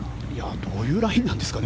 どういうラインなんですかね。